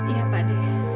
iya pak d